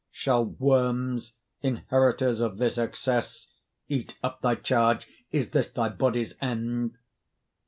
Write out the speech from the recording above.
Shall worms, inheritors of this excess, Eat up thy charge? Is this thy body's end?